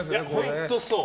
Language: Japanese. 本当そう。